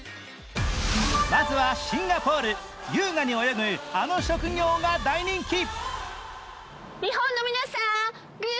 まずはシンガポール、優雅に泳ぐあの職業が大人気。